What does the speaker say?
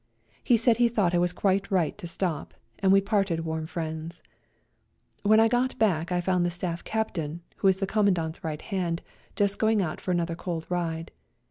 He said he thought I was quite right to stop, and we parted warm friends. When I got back I found the Staff Captain, who was the Commandant's right hand, just going out for another 82 A COLD NIGHT RIDE cold ride.